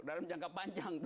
dalam jangka panjang itu